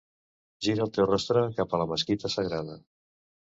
Gira el teu rostre cap a la Mesquita Sagrada.